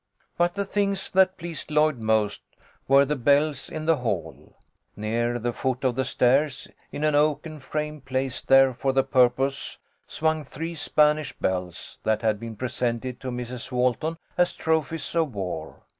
But the things that pleased Lloyd most were the bells in the hall. Near the foot of the stairs, in an oaken frame placed there for the purpose, swung three Spanish bells, that had been presented to Mrs. Walton as trophies of war.